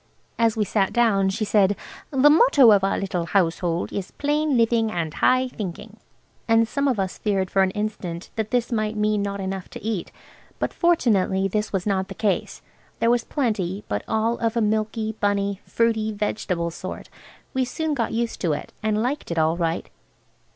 As we sat down she said, "The motto of our little household is 'Plain living and high thinking.'" And some of us feared for an instant that this might mean not enough to eat. But fortunately this was not the case. There was plenty, but all of a milky, bunny, fruity, vegetable sort. We soon got used to it, and liked it all right.